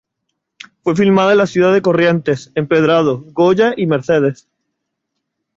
Fue filmada en la ciudad de Corrientes, Empedrado, Goya y Mercedes.